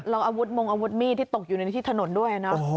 เรามองอาวุธมีดที่ตกอยู่ในที่ถนนด้วยนะ